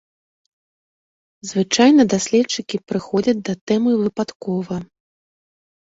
Звычайна даследчыкі прыходзяць да тэмы выпадкова.